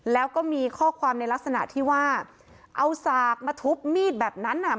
แล้วก็มีข้อความในลักษณะที่ว่าเอาสากมาทุบมีดแบบนั้นอ่ะ